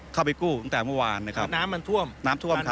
เข้าไปกู้ตั้งแต่เมื่อวานนะครับน้ำมันท่วมน้ำท่วมครับ